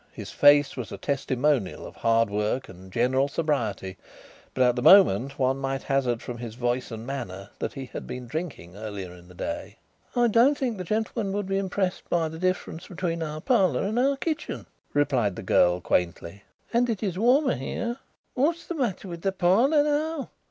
His face was a testimonial of hard work and general sobriety but at the moment one might hazard from his voice and manner that he had been drinking earlier in the day. "I don't think that the gentleman would be impressed by the difference between our parlour and our kitchen," replied the girl quaintly, "and it is warmer here." "What's the matter with the parlour now?"